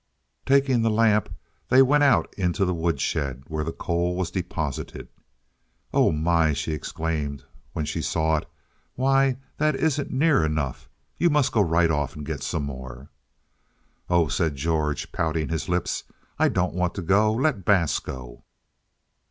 Taking the lamp, they went out into the woodshed where the coal was deposited. "Oh, my!" she exclaimed when she saw it; "why, that isn't near enough. You must go right off and get some more." "Oh," said George, pouting his lips, "I don't want to go. Let Bass go."